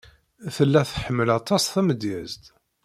Tella tḥemmel aṭas tamedyazt.